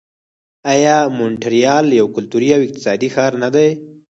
آیا مونټریال یو کلتوري او اقتصادي ښار نه دی؟